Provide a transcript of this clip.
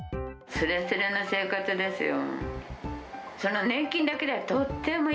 すれすれの生活ですよ、もう。